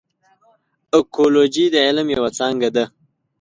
اکولوژي د علم یوه څانګه ده.